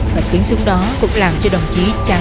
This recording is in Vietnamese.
một tiếng súng đó cũng làm cho đồng chí trắng